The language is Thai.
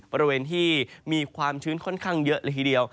บริเวณที่มีความชื้นค่อนข้างเยอะเลยทีเดียว